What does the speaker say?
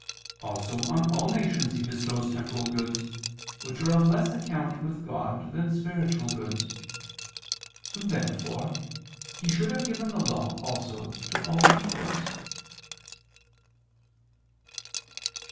Also on all nations He bestows temporal goods, which are of less account with God than spiritual goods. Therefore He should have given the Law also to all peoples.